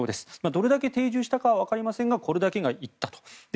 どれだけ定住したか分かりませんがこれだけが行ったと。